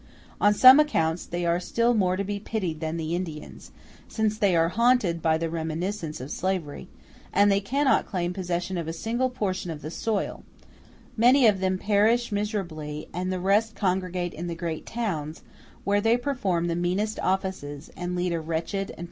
On some accounts they are still more to be pitied than the Indians, since they are haunted by the reminiscence of slavery, and they cannot claim possession of a single portion of the soil: many of them perish miserably, *n and the rest congregate in the great towns, where they perform the meanest offices, and lead a wretched and precarious existence.